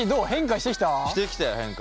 してきたよ変化。